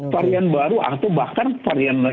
varian baru atau bahkan varian